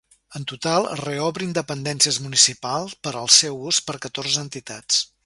En total, es reobrin dependències municipals per al seu ús per catorze entitats.